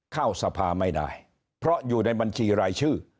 เข้าสภาไม่ได้เพราะอยู่ในบัญชีรายชื่อ